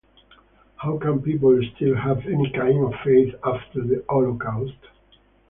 How can people still have any kind of faith after the Holocaust?